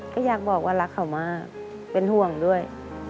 ก็อยากบอกว่ารักเขามากเป็นห่วงด้วย